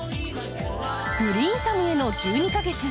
「グリーンサムへの１２か月」。